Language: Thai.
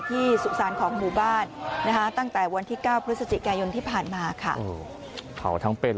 สุสานของหมู่บ้านนะคะตั้งแต่วันที่๙พฤศจิกายนที่ผ่านมาค่ะ